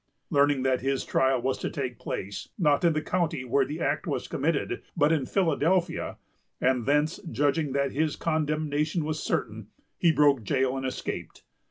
Learning that his trial was to take place, not in the county where the act was committed, but in Philadelphia, and thence judging that his condemnation was certain, he broke jail and escaped.